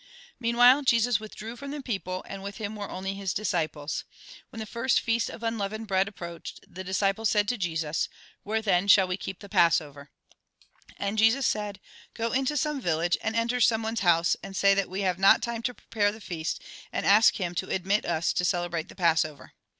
Meanwhile Jesus withdrew from the people, and with him were only his disciples. "When the first feast of unleavened bread approached, the disciples said to Jesus :" Where, then, shall we keep the Pass over ?" And Jesus said :" Go into some village, and enter someone's house, and say that we have not time to prepare the feast, and ask him to admit us to celebrate the Passover."